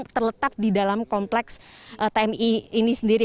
terletak di dalam kompleks tmi ini sendiri